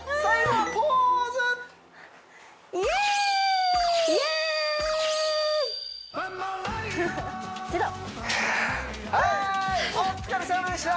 はいお疲れさまでした！